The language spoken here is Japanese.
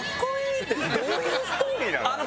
どういうストーリーなの？